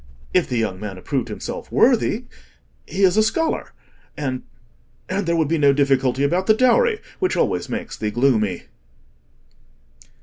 If the young man approved himself worthy—he is a scholar—and—and there would be no difficulty about the dowry, which always makes thee gloomy."